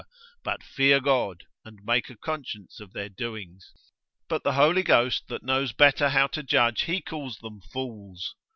but fear God, and make a conscience of their doings. But the Holy Ghost that knows better how to judge, he calls them fools.